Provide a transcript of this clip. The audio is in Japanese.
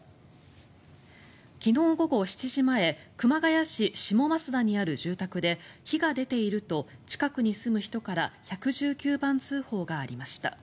昨日午後７時前熊谷市下増田にある住宅で火が出ていると近くに住む人から１１９番通報がありました。